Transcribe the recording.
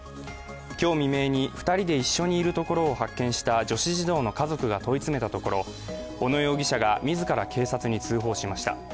今日未明に２人で一緒にいるところを発見した女子児童の家族が問い詰めたところ小野容疑者が自ら警察に通報しました。